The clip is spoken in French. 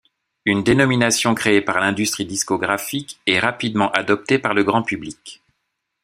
Une dénomination créée par l'industrie discographique et rapidement adoptée par le grand public.